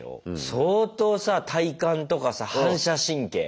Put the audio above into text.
相当さ体幹とかさ反射神経？